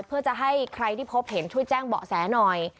เพื่อจะให้ใครที่พบเห็นช่วยแจ้งเบาะแสหน่อย